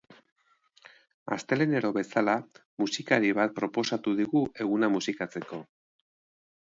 Astelehenero bezala, musikari bat proposatu digu eguna musikatzeko.